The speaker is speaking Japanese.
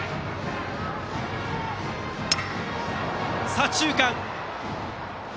左中間！